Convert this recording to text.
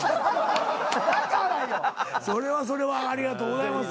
それはそれはありがとうございます。